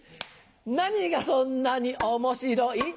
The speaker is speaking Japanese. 何がそんなに面白い？